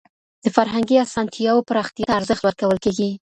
د فرهنګي اسانتياوو پراختيا ته ارزښت ورکول کيږي.